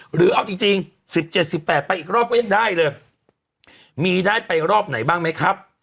หรือเอาจริง๑๗๑๘ไปอีกรอบก็ยังได้เลยมีได้ไปรอบไหนบ้างไหมครับ